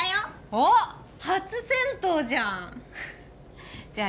おっ初銭湯じゃんじゃあ